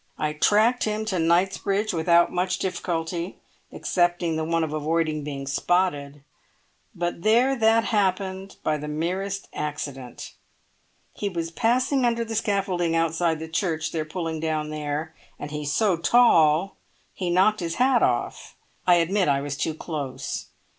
I tracked him to Knightsbridge without much difficulty, excepting the one of avoiding being spotted, but there that happened by the merest accident. He was passing under the scaffolding outside the church they're pulling down there, and he's so tall he knocked his hat off. I admit I was too close.